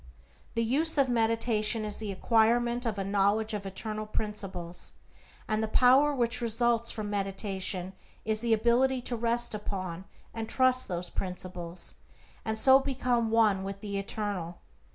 The use of meditation is the acquirement of a knowledge of eternal principles, and the power which results from meditation is the ability to rest upon and trust those principles, and so become one with the Eternal.